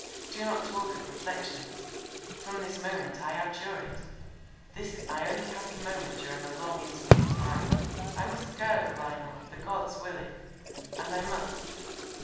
Do not talk of reflection; from this moment I abjure it; this is my only happy moment during a long interval of time. I must go, Lionel—the Gods will it; and I must.